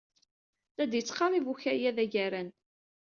La d-yettqerrib ukayad agaran.